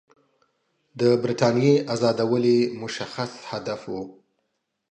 د برټانیې آزادول یې مشخص هدف وو.